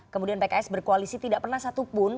kemudian pks berkoalisi tidak pernah satupun